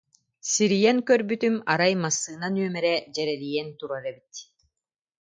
Сирийэн көрбүтүм, арай, массыына нүөмэрэ дьэрэлийэн турар эбит